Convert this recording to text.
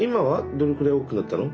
どれくらい大きくなったの？